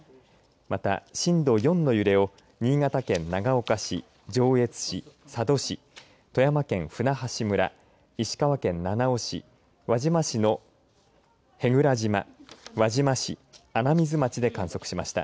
また、震度４の揺れを新潟県長岡市、上越市、佐渡市富山県舟橋村石川県七尾市、輪島市の舳倉島輪島市、穴水町で観測しました。